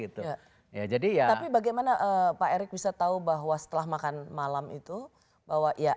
tapi bagaimana pak erick bisa tahu bahwa setelah makan malam itu bahwa ya